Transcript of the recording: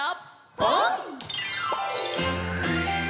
「ぽん」！